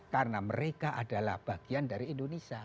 karena mereka adalah bagian dari indonesia